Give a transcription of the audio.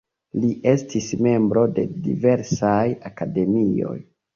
Li estis membro de diversaj akademioj.